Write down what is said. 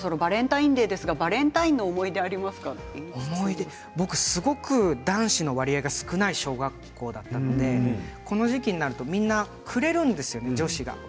バレンタインの思い出は男子の割合が少ない小学校だったのでこの時期になるとみんなくれるんですよ、女子が。